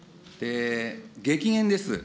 激減です。